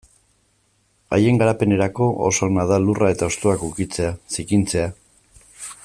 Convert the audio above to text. Haien garapenerako oso ona da lurra eta hostoak ukitzea, zikintzea...